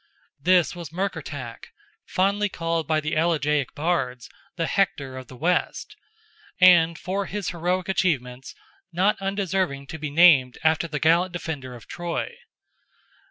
This was Murkertach, fondly called by the elegiac Bards, "the Hector of the West," and for his heroic achievements, not undeserving to be named after the gallant defender of Troy.